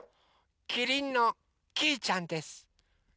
キリンのきいちゃんです。